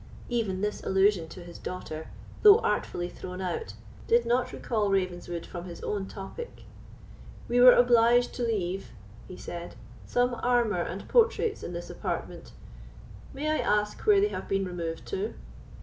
Even this allusion to his daughter, though artfully thrown out, did not recall Ravenswood from his own topic. "We were obliged to leave," he said, "some armour and portraits in this apartment; may I ask where they have been removed to?"